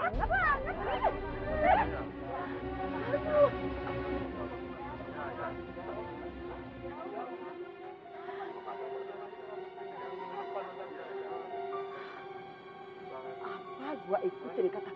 dan jadi kanak mereka panggung di surga mu